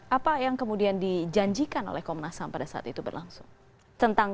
apa yang kemudian dijanjikan oleh komnas ham pada saat itu berlangsung